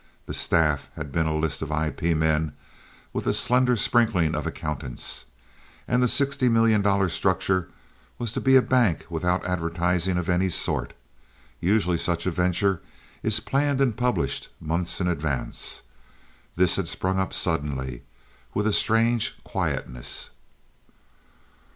The staff had been a list of IP men with a slender sprinkling of accountants. And the sixty million dollar structure was to be a bank without advertising of any sort! Usually such a venture is planned and published months in advance. This had sprung up suddenly, with a strange quietness.